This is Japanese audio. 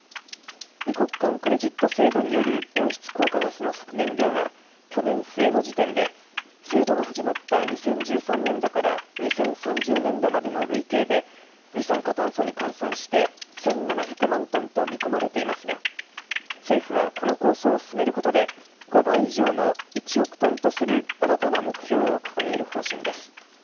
二国間クレジット制度による温室効果ガスの削減量は去年末の時点で制度が始まった２０１３年度から２０３０年度までの累計で二酸化炭素に換算して１７００万トンと見込まれていますが政府はこの構想を進めることで５倍以上の１億トンとする新たな目標を掲げる方針です。